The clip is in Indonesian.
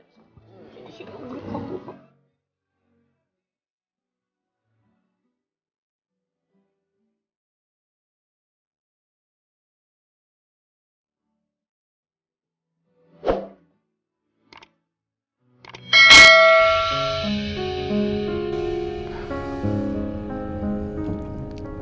ini sih kamu beli kaku